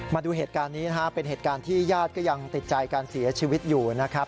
มาดูเหตุการณ์นี้นะครับเป็นเหตุการณ์ที่ญาติก็ยังติดใจการเสียชีวิตอยู่นะครับ